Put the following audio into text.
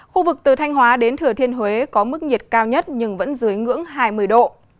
khu vực từ thanh hóa đến thừa thiên huế có mức nhiệt cao nhất nhưng vẫn dưới ngưỡng hai mươi độ